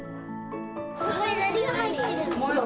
これ、何が入ってるの？